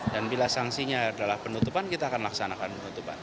bila sanksinya adalah penutupan kita akan laksanakan penutupan